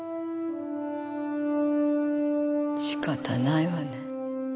仕方ないわね。